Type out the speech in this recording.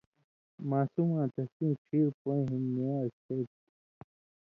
ماسُماں تسیں ڇھیر پویں ہِن نِوان٘ز شریۡ تھُو۔